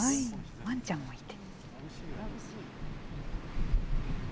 わんちゃんもいて。